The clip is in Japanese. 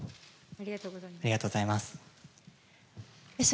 ありがとうございます。